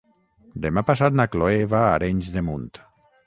Demà passat na Chloé va a Arenys de Munt.